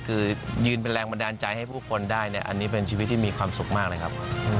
คือยืนเป็นแรงบันดาลใจให้ผู้คนได้เนี่ยอันนี้เป็นชีวิตที่มีความสุขมากเลยครับ